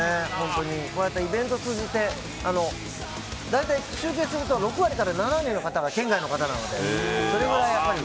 こうやってイベントを通じて大体集計すると６割から７割の方が県外の方なので。